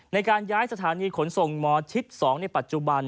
ในการย้ายสถานีขนส่งหมอชิด๒ในปัจจุบัน